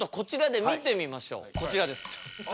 こちらです。